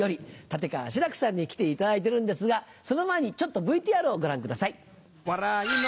立川志らくさんに来ていただいてるんですがその前にちょっとＶＴＲをご覧ください。